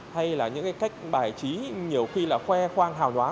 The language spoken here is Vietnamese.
hay là những cái cách bài trí nhiều khi là khoe khoang hào nhoáng